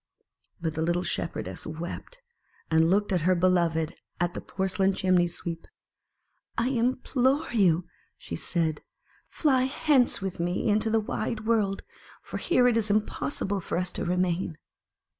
But the little Shepherdess wept, and looked at her beloved at the porcelain Chimney sweep. "I implore you," said she, "fly hence with me into the wide world : for here it is impossible for us to remain."